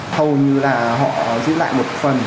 hầu như là họ giữ lại một phần